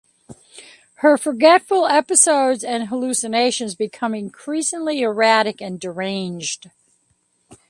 Her forgetful episodes and hallucinations become increasingly erratic and deranged.